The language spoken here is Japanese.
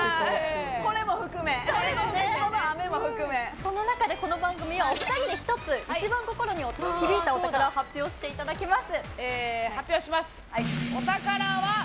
その中でこの番組ではお二人に１つ一番心に響いたお宝を発表していただきます。